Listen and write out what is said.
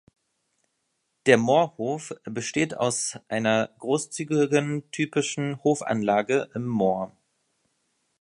Der Moorhof besteht aus einer großzügigen typischen Hofanlage im Moor.